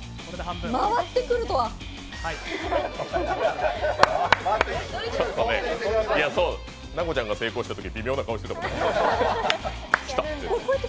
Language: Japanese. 回ってくるとはちょっとね、奈子ちゃんが成功したとき微妙な顔してたもんな、「きた」って。